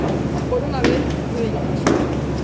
Por unha vez, facédelle caso.